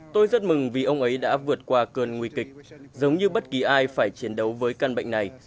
tôi rất mừng vì ông ấy đã vượt qua cơn nguy kịch giống như bất kỳ ai phải chiến đấu với căn bệnh này